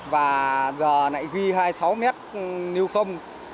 và giờ nãy ghi hai mươi sáu mét nưu không